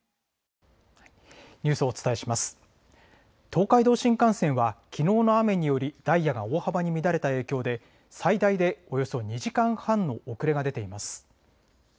東海道新幹線はきのうの雨によりダイヤが大幅に乱れた影響で最大でおよそ２時間半の遅れが出ています。